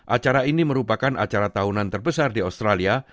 acara ini merupakan acara tahunan terbesar di australia